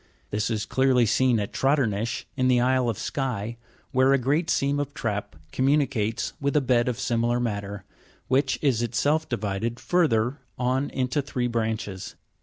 This is clearly seen at Trotternish, in the isle of Sky (Jig. 283), where a great seam of trap commu nicates with a bed of similar matter, which is itself divided further on into three branches.